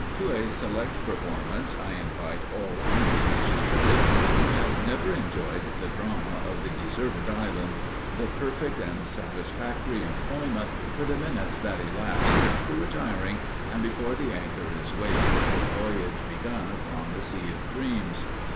To a select performance I invite all uninitiated who have never enjoyed the drama of the Deserted Island the perfect and satisfactory employment for the minutes that elapse after retiring and before the anchor is weighed and the voyage begun upon the Sea of Dreams.